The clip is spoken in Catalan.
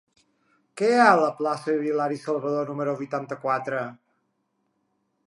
Què hi ha a la plaça d'Hilari Salvadó número vuitanta-quatre?